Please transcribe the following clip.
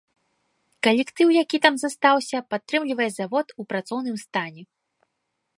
Калектыў, які там застаўся, падтрымлівае завод у працоўным стане.